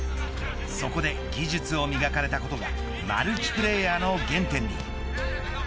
そこで技術を磨かれたことがマルチプレーヤーの原点に。